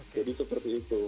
jadi seperti itu